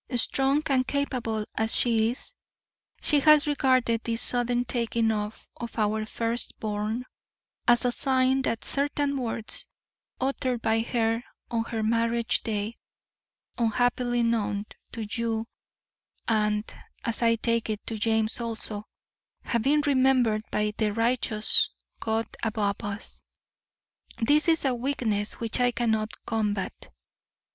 Strong and capable as she is, she has regarded this sudden taking off of our first born as a sign that certain words uttered by her on her marriage day, unhappily known to you and, as I take it, to James also, have been remembered by the righteous God above us. This is a weakness which I cannot combat.